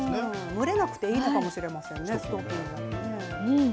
蒸れなくていいのかもしれませんね、ストッキングだとね。